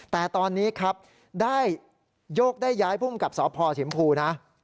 แต่ตอนนี้ครับได้โยกได้ย้ายภูมิกับสพสิมพูนะ